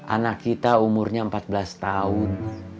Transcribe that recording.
anak kita umurnya empat belas tahun